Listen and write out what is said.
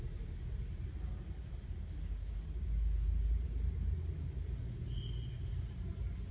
โอ้โหมันเจ็ดแล้ว